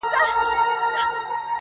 زه تر هغو پورې ژوندی يمه چي ته ژوندۍ يې~